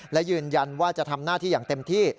และยืนยันว่าจะทำหน้าที่อย่างเต็มที่